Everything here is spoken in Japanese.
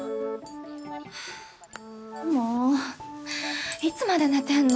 もういつまで寝てんの。